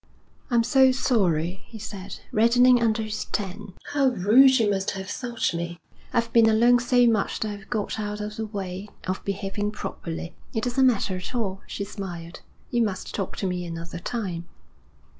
'I'm so sorry,' he said, reddening under his tan. 'How rude you must have thought me! I've been alone so much that I've got out of the way of behaving properly.' 'It doesn't matter at all,' she smiled. 'You must talk to me another time.'